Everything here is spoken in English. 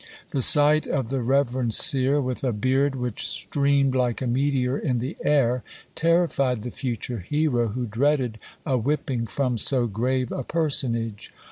The sight of the reverend seer, with a beard which "streamed like a meteor in the air," terrified the future hero, who dreaded a whipping from so grave a personage.